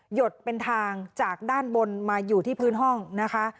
ดเป็นทางจากด้านบนมาอยู่ที่พื้นห้องนะคะ